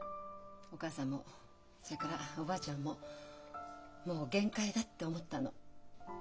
お母さんもそれからおばあちゃんももう限界だって思ったの。